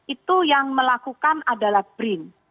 itu yang melakukan adalah brin